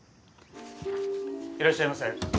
・いらっしゃいませ。